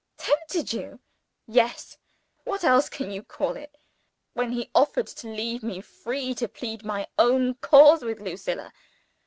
"Tempted you?" "Yes! What else can you call it when he offered to leave me free to plead my own cause with Lucilla?